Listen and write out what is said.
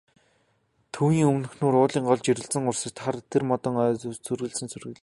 Төвийн өмнөхнүүр уулын гол жирэлзэн урсаж, хар модон ой үргэлжлэн сүглийнэ.